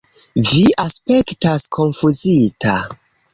Vi aspektas konfuzita.